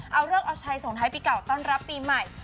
เอาเลิกเอาชัยส่งท้ายปีเก่าต้อนรับปีใหม่